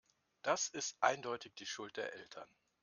Das ist eindeutig die Schuld der Eltern.